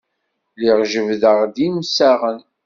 Lliɣ jebbdeɣ-d imsaɣen.